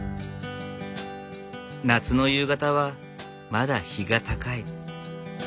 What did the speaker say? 夏の夕方はまだ日が高い。